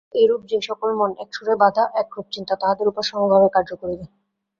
এইরূপ যে-সকল মন একসুরে বাঁধা, একরূপ চিন্তা তাহাদের উপর সমভাবে কার্য করিবে।